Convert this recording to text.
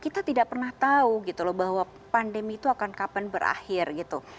kita tidak pernah tahu gitu loh bahwa pandemi itu akan kapan berakhir gitu